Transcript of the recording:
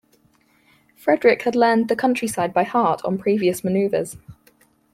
Frederick had learned the countryside by heart on previous maneuvers.